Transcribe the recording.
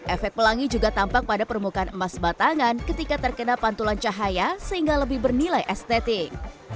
efek pelangi juga tampak pada permukaan emas batangan ketika terkena pantulan cahaya sehingga lebih bernilai estetik